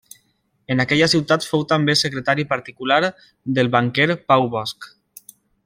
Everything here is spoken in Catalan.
En aquella ciutat fou també secretari particular del banquer Pau Bosch.